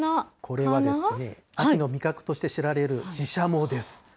これはですね、秋の味覚として知られるししゃもです。